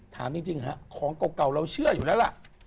ถามจริงฮะของเก่าเราเชื่ออยู่แล้วล่ะ